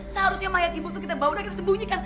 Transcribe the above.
seharusnya mayat ibu itu kita bawa dan kita sembunyikan